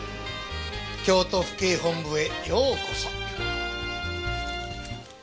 京都府警本部へようこそ。